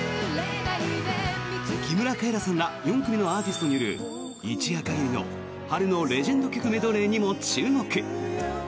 木村カエラさんら４組のアーティストによる一夜限りの、春のレジェンド曲メドレーにも注目！